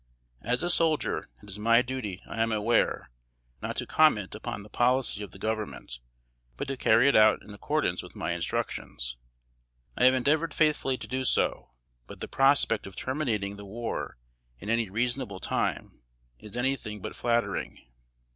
"As a soldier, it is my duty, I am aware, not to comment upon the policy of the Government, but to carry it out in accordance with my instructions. I have endeavored faithfully to do so; but the prospect of terminating the war in any reasonable time is any thing but flattering.